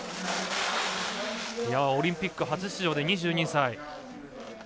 オリンピック初出場で２２歳。